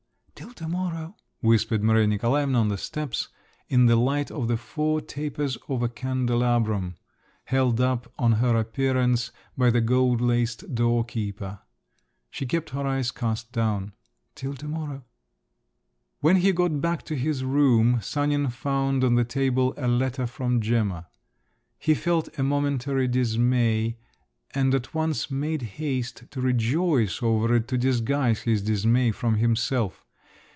"Till to morrow!" whispered Maria Nikolaevna on the steps, in the light of the four tapers of a candelabrum, held up on her appearance by the gold laced door keeper. She kept her eyes cast down. "Till to morrow!" When he got back to his room, Sanin found on the table a letter from Gemma. He felt a momentary dismay, and at once made haste to rejoice over it to disguise his dismay from himself.